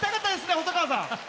細川さん。